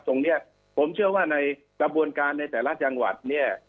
ตรงนี้ผมเชื่อว่าในกระบวนการในแต่ละจังหวัดเนี่ย